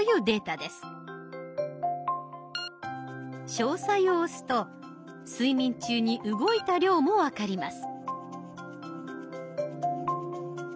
「詳細」を押すと睡眠中に動いた量も分かります。